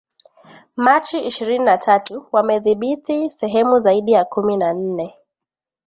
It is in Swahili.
Machi ishirini na tatu wamedhibithi sehemu zaidi ya kumi na nne